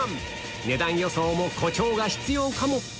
値段予想も誇張が必要かも？